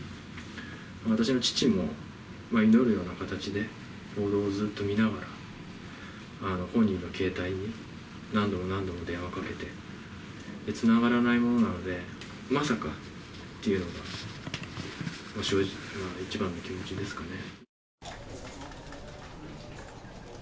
私の父も祈るような形で報道をずっと見ながら、本人の携帯に何度も何度も電話かけて、つながらないものなので、まさかというのが、一番の気持ちですかね。